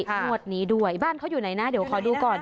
งวดนี้ด้วยบ้านเขาอยู่ไหนนะเดี๋ยวขอดูก่อน